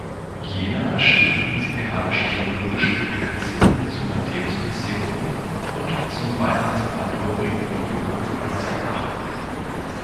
Jena schrieb musikalisch-theologische Publikationen zur Matthäus-Passion und zum Weihnachtsoratorium von Johann Sebastian Bach.